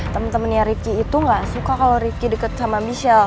temen temennya rifki itu gak suka kalo rifki deket sama michelle